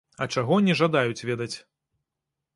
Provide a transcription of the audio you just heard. А чаго не жадаюць ведаць?